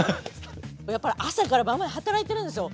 やっぱり朝から晩まで働いてるんですよ。